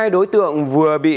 một mươi hai đối tượng vừa bị